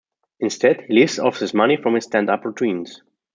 Instead, he lives off his money from his stand-up routines.